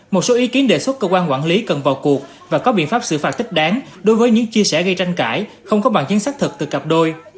một số ý kiến đề xuất cơ quan quản lý cần vào cuộc và có biện pháp xử phạt tích đáng đối với những chia sẻ gây tranh cãi không có bằng chứng xác thực từ cặp đôi